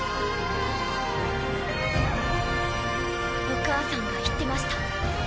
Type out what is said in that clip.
お母さんが言ってました。